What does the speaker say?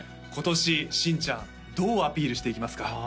今年新ちゃんどうアピールしていきますか？